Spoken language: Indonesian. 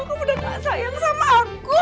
aku udah gak sayang sama aku